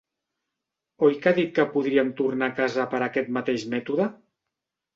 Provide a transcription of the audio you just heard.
Oi que ha dit que podríem tornar a casa per aquest mateix mètode?